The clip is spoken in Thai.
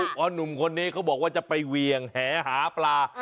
เพราะหนุ่มคนนี้เขาบอกว่าจะไปเวียงแหหาปลา